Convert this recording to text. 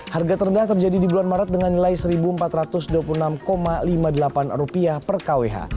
harga terendah terjadi di bulan maret dengan nilai rp satu empat ratus dua puluh enam lima puluh delapan per kwh